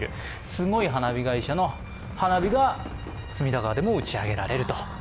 すごい花火会社の花火が打ち上げられると。